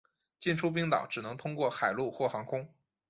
进出冰岛只能通过海路或航空。